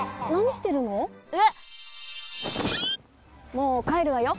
もうかえるわよ。